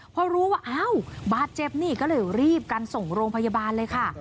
พอรู้ว่าอ้าวบาดเจ็บนี่ก็เลยรีบกันส่งโรงพยาบาลเลยค่ะ